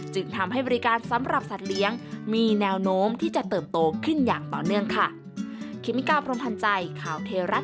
จึงทำให้บริการสำหรับสัตว์เลี้ยงมีแนวโน้มที่จะเติบโตขึ้นอย่างต่อเนื่องค่ะ